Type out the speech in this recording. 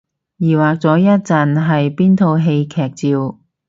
疑惑咗一陣係邊套戲劇照